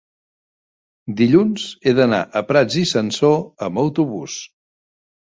dilluns he d'anar a Prats i Sansor amb autobús.